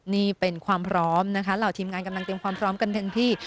นี่เป็นความพร้อมนะคะเหล่าทีมงานกำลังเตรียมความพร้อมกันเต็มที่